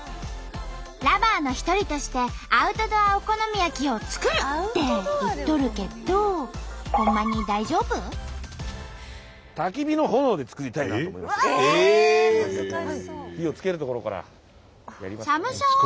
Ｌｏｖｅｒの一人としてアウトドアお好み焼きを作るって言っとるけどほんまに寒そう！